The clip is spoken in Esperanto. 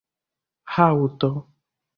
haŭto